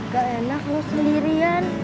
gak enak lo sendirian